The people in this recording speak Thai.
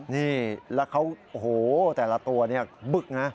นี่แล้วเขาโอ้โหแต่ละตัวเนี่ยบึกนะ